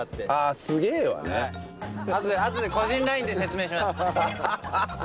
あとで個人ＬＩＮＥで説明します。